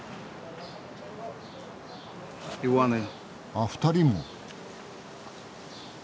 あっ２人も。